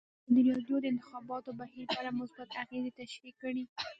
ازادي راډیو د د انتخاباتو بهیر په اړه مثبت اغېزې تشریح کړي.